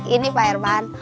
ini pak herman